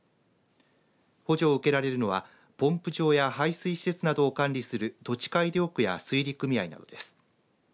補助を受けられるのはポンプ場や排水施設などを管理する土地改良区や水利組合などです。